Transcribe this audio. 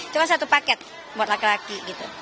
cuma satu paket buat laki laki gitu